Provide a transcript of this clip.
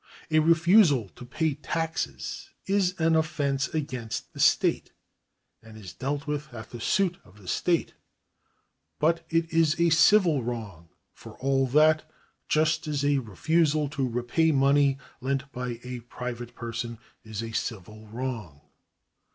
A refusal to pay taxes is an offence against the state, and is dealt with at the suit of the state ; but it is a civil wrong for all that, just as a refusal to repay money lent by a private person is a civil wrong.